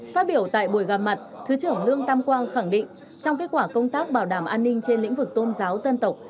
phát biểu tại buổi gặp mặt thứ trưởng lương tam quang khẳng định trong kết quả công tác bảo đảm an ninh trên lĩnh vực tôn giáo dân tộc